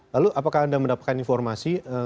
lalu apakah anda mendapatkan informasi